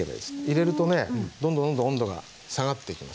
入れるとねどんどんどんどん温度が下がっていきますね。